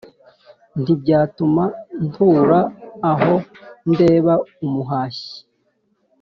Ntibyatuma nturaAho ndeba umuhashyi